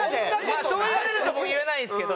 まあそう言われるともう言えないんですけど。